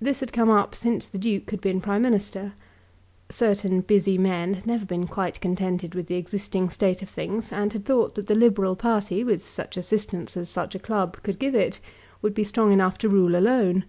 This had come up since the Duke had been Prime Minister. Certain busy men had never been quite contented with the existing state of things, and had thought that the Liberal party, with such assistance as such a club could give it, would be strong enough to rule alone.